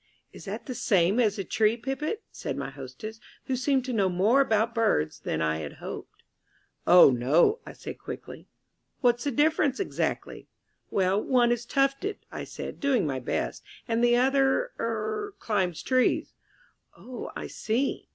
"Is that the same as the Tree Pipit?" said my hostess, who seemed to know more about birds than I had hoped. "Oh, no," I said quickly. "What's the difference exactly?" "Well, one is tufted," I said, doing my best, "and the other er climbs trees." "Oh, I see."